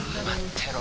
てろ